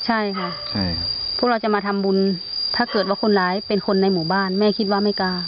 ใช่ค่ะพวกเราจะมาทำบุญถ้าเกิดว่าคนร้ายเป็นคนในหมู่บ้านแม่คิดว่าไม่กล้า